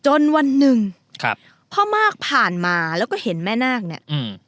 วันหนึ่งครับพ่อมากผ่านมาแล้วก็เห็นแม่นาคเนี่ยอืม